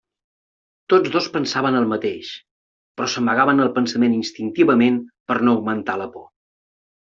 Tots dos pensaven el mateix, però s'amagaven el pensament instintivament per no augmentar la por.